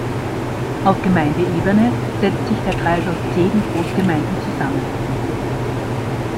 Auf Gemeindeebene setzt sich der Kreis aus zehn Großgemeinden zusammen.